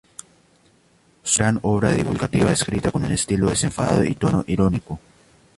Son una gran obra divulgativa escrita con un estilo desenfadado y tono irónico.